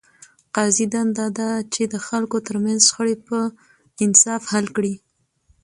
د قاضي دنده ده، چي د خلکو ترمنځ شخړي په انصاف حل کړي.